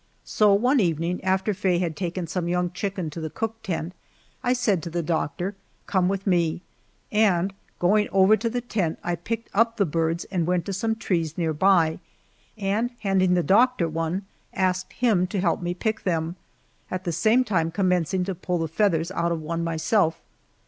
So one evening, after Faye had taken some young chicken to the cook tent, I said to the doctor, "Come with me," and going over to the tent I picked up the birds and went to some trees near by, and handing the doctor one, asked him to help me pick them, at the same time commencing to pull the feathers out of one myself.